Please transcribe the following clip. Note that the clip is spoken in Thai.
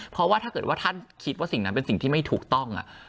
เพราะว่าถ้าเกิดว่าท่านคิดว่าสิ่งนั้นเป็นสิ่งที่ไม่ถูกต้อง